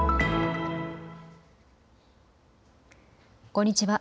こんにちは。